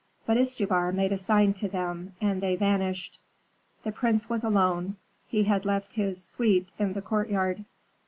But Istubar made a sign to them, and they vanished. The prince was alone; he had left his suite in the courtyard.